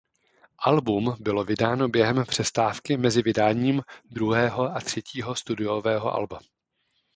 Album bylo vydáno během přestávky mezi vydáním druhého a třetího studiového alba.